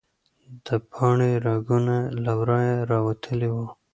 د پاڼې رګونه له ورایه راوتلي وو.